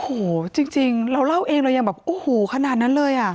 โอ้โหจริงเราเล่าเองเรายังแบบโอ้โหขนาดนั้นเลยอ่ะ